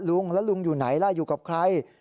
ลุงแล้วลุงอยู่ไหนล่ะอยู่กับใคร